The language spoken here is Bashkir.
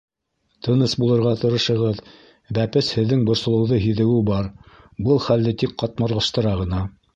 - тыныс булырға тырышығыҙ: бәпес һеҙҙең борсолоуҙы һиҙеүе бар, был хәлде тик ҡатмарлаштыра ғына